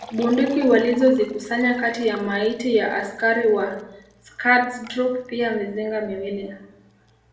Bunduki walizozikusanya kati ya maiti za askari wa Schutztruppe pia mizinga miwili